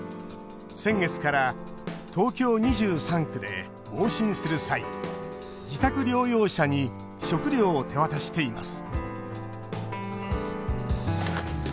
先月から東京２３区で往診する際自宅療養者に食料を手渡しています